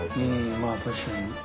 まぁ確かに。